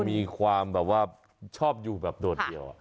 มันแบบว่าชอบอยู่โดดเดี่ยว